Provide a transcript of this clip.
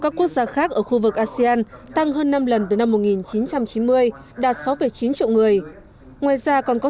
các quốc gia khác ở khu vực asean tăng hơn năm lần từ năm một nghìn chín trăm chín mươi đạt sáu chín triệu người ngoài ra còn có